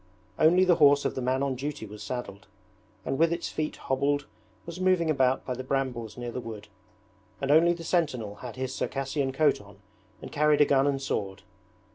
Only the horse of the man on duty was saddled, and with its feet hobbled was moving about by the brambles near the wood, and only the sentinel had his Circassian coat on and carried a gun and sword.